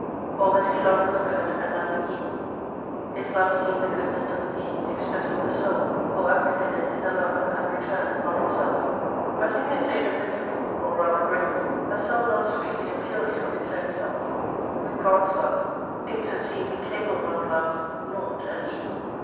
All that he loved was good, and nothing evil. His love seemed the goodness of a being expressed in the Soul, or apprehended in the lover, and returned upon itself. But in the estate of misery (or rather Grace), a soul loves freely and purely of its own self, with God's 306 love, things that seem incapable of love, naught and evil.